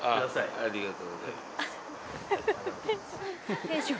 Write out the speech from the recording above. ありがとうございます。